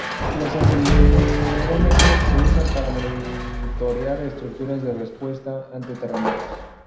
Los acelerómetros se usan para monitorear estructuras de respuesta ante terremotos.